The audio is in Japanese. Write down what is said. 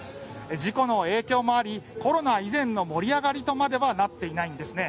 事故の影響もありコロナ以前の盛り上がりとまではなっていないんですね。